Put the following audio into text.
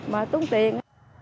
mà tốn tiền